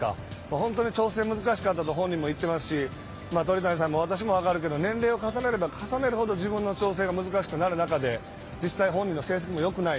本当に調整難しかったと本人言ってますし鳥谷さんも私も分かるけど年齢を重ねれば重ねるほど自分の調整が難しくなる中で実際、本人の成績もよくない。